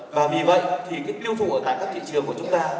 và vì vậy thì cái tiêu thụ ở tại các thị trường của chúng ta